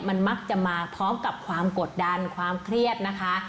มันมักจะมาพร้อมกับความกดดันความเครียดนะคะ